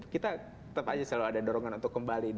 kita tetap aja selalu ada dorongan untuk kembali